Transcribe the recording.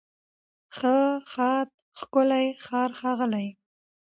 ښه، ښاد، ښکلی، ښار، ښاغلی